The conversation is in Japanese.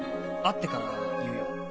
会ってから言うよ。